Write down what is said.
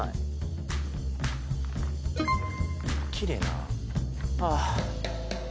きれいなああ